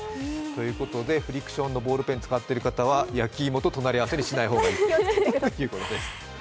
フリクションのボールペンを使っている方は焼き芋と隣り合わせにしない方がいいですね。